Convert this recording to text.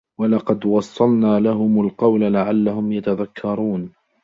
وَلَقَدْ وَصَّلْنَا لَهُمُ الْقَوْلَ لَعَلَّهُمْ يَتَذَكَّرُونَ